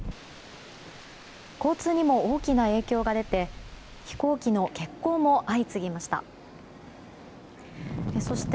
交通にも大きな影響が出て飛行機の欠航も相次ぎました。